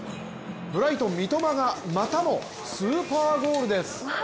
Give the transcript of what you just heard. ブライトン・三笘がまたもスーパーゴールです。